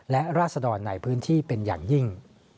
และราศดรในพื้นที่เป็นอย่างยิ่ง